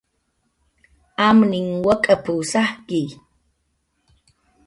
"Amninh wak'ap"" sajki"